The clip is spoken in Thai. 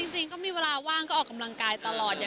จริงก็มีเวลาว่างก็ออกกำลังกายตลอด